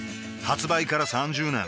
発売から３０年